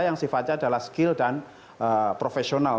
yang sifatnya adalah skill dan profesional